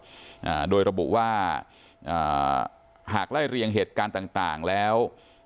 ของตำรวจโดยระบุว่าหากไล่เรียงเหตุการณ์ต่างแล้ว